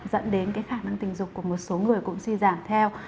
dẫn đến khả năng tình dục của một số người cũng suy giảm theo